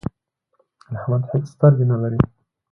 احمد هيڅ سترګې نه لري.